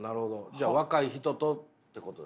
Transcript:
じゃあ若い人とってことですか。